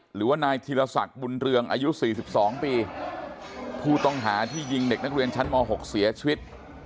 หรือว่านายธีรศักดิ์บุญเรืองอายุ๔๒ปีผู้ต้องหาที่ยิงเด็กนักเรียนชั้นม๖เสียชีวิต